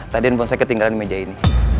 tadi handphone saya ketinggalan di meja ini